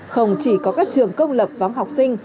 không chỉ có các trường công lập vắng học sinh